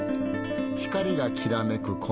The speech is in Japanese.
光がきらめく